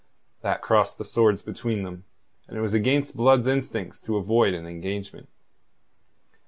That crossed the swords between them, and it was against Blood's instincts to avoid an engagement.